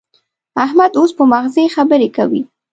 احمد اوس په مغزي خبرې کوي.